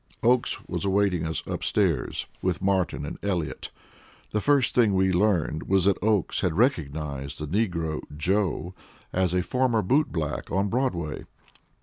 Oakes was awaiting us upstairs, with Martin and Elliott. The first thing we learned was that Oakes had recognized the negro "Joe" as a former boot black on Broadway.